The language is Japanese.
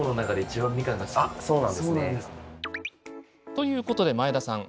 ということで、前田さん